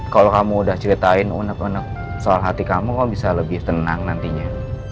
kalau kamu udah ceritain unek unek soal hati kamu kok bisa lebih tenang nantinya